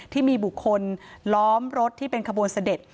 ที่มีบุคคลล้อมรถที่เป็นขบวนเสด็จ